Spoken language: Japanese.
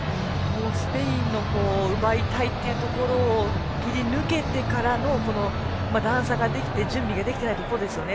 スペインの奪いたいというところを切り抜けてからの段差ができて、準備ができていないところですよね。